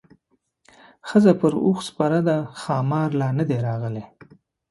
ښځه پر اوښ سپره ده ښامار لا نه دی راغلی.